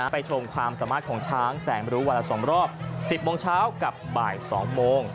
ชมความสามารถของช้างแสงรู้วันละ๒รอบ๑๐โมงเช้ากับบ่าย๒โมง